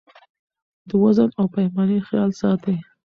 د وزن او پیمانې خیال ساتئ.